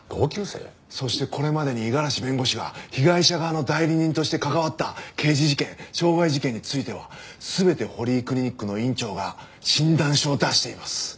そしてこれまでに五十嵐弁護士が被害者側の代理人として関わった刑事事件傷害事件については全て堀井クリニックの院長が診断書を出しています。